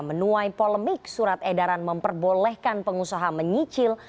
menuai polemik surat edaran memperbolehkan pengusaha menyicil